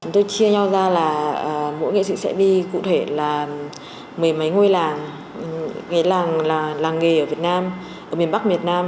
tôi chia nhau ra là mỗi nghệ sĩ sẽ đi cụ thể là mười mấy ngôi làng nghề làng nghề ở việt nam ở miền bắc việt nam